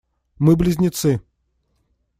Мы близнецы.